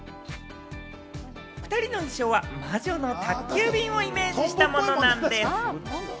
２人の衣装は『魔女の宅急便』をイメージしたものなんでぃす！